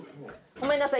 ごめんなさい